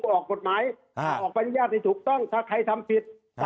ออกกฎหมายถ้าออกใบอนุญาตให้ถูกต้องถ้าใครทำผิด